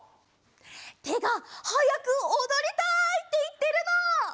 てがはやくおどりたいっていってるの！